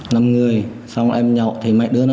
năm người xong em nhậu thấy mạnh đứa đó